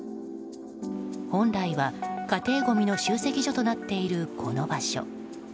本来は家庭ごみの集積所となっている、この場所。